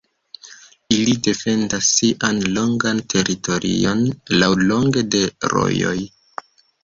Ili defendas sian longan teritorion laŭlonge de rojoj.